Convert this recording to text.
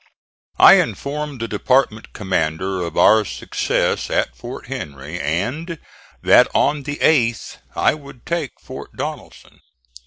I informed the department commander of our success at Fort Henry and that on the 8th I would take Fort Donelson.